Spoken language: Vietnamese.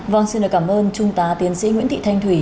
vâng xin được cảm ơn trung tá tiến sĩ nguyễn thị thanh thủy